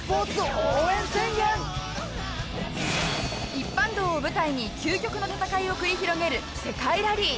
一般道を舞台に究極の戦いを繰り広げる世界ラリー